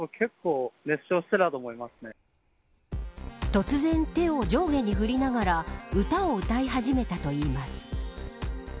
突然、手を上下に振りながら歌を歌い始めたといいます。